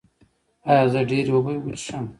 ایا زه ډیرې اوبه وڅښم؟